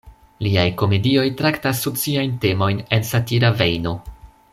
Liaj komedioj traktas sociajn temojn en satira vejno.